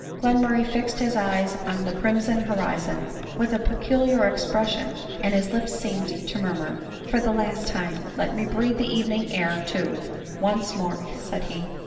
Glen murray fixed his eyes on the crimson horizon with a peculiar expression, and bis lips seemed to murmur, " For the last time ! Let me breathe the evening air, too, once more," said he.